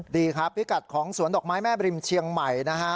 ดีครับพิกัดของสวนดอกไม้แม่บริมเชียงใหม่นะฮะ